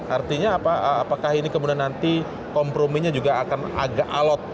artinya apakah ini kemudian nanti komprominya juga akan agak alot